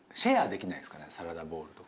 サラダボウルとか。